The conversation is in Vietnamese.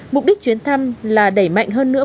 mục đích chuyến thăm là đẩy mạnh hơn nữa